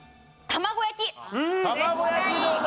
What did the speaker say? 卵焼きどうだ？